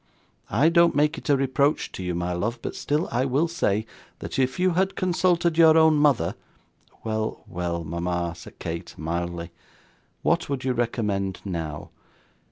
I don't make it a reproach to you, my love; but still I will say, that if you had consulted your own mother ' 'Well, well, mama,' said Kate, mildly: 'what would you recommend now?